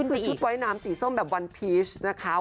ก็คือชุดว่ายน้ำสีส้มแบบวันพีชนะคะ